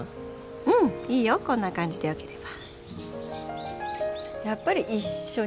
うんいいよこんな感じでよければ。